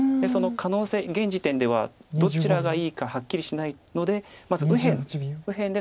その可能性現時点ではどちらがいいかはっきりしないのでまず右辺。